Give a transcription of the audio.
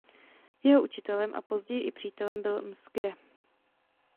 Jeho učitelem a později i přítelem byl Msgre.